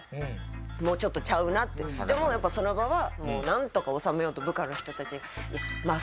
でもうやっぱその場はなんとか収めようと部下の人たちまあ